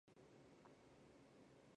中心附近坐落了一群低矮的山丘。